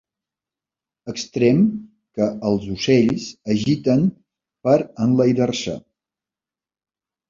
Extrem que els ocells agiten per enlairar-se.